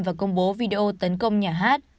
và công bố video tấn công nhà hát